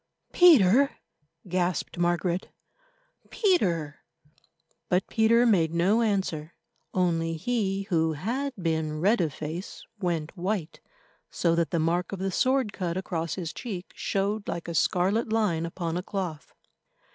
"Peter!" gasped Margaret—"Peter!" But Peter made no answer, only he who had been red of face went white, so that the mark of the sword cut across his cheek showed like a scarlet line upon a cloth.